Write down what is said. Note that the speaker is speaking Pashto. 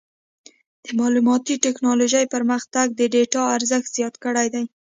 د معلوماتي ټکنالوجۍ پرمختګ د ډیټا ارزښت زیات کړی دی.